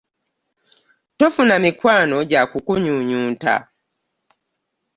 Tofuna mikwano gya kunyunyunta.